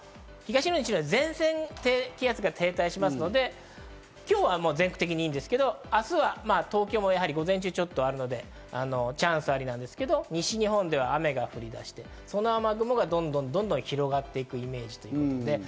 前線の低気圧が停滞しますので、今日は全国的にいいんですけど、明日は東京も午前中、ちょっとあるのでチャンスありなんですけど、西日本では雨が降り出して、その雨雲はどんどん広がっていくイメージです。